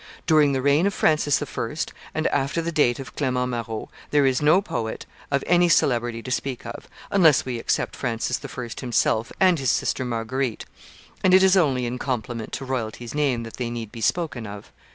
During the reign of Francis I. and after the date of Clement Marot, there is no poet of any celebrity to speak of, unless we except Francis I. himself and his sister Marguerite; and it is only in compliment to royalty's name that they need be spoken of.